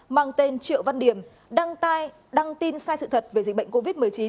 mang tên triệu văn điểm đăng tin sai sự thật về dịch bệnh covid một mươi chín